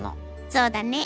そうだね。